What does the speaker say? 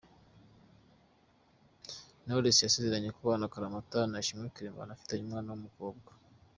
Knowless yasezeranye kubana akaramata na Ishimwe Clement banafitanye umwana w’umukobwa.